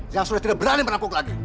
yang sudah tidak berani merampok lagi